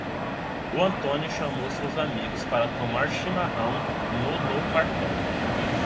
O Antônio chamou seus amigos para tomar chimarrão no no Parcão.